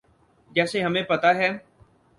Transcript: جیسے ہمیں پتہ ہے۔